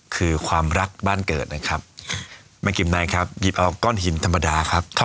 คือความรักบ้านเกิดนะครับแม่กิมไนครับหยิบเอาก้อนหินธรรมดาครับ